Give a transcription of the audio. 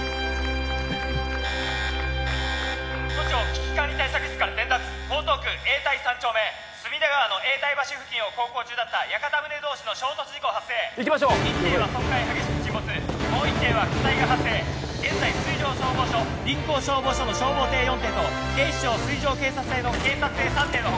都庁危機管理対策室から伝達江東区永代３丁目隅田川の永代橋付近を航行中だった屋形船同士の衝突事故発生行きましょう一艇は損壊激しく沈没もう一艇は火災が発生現在水上消防署臨港消防署の消防艇４艇と警視庁水上警察隊の警察艇３艇の他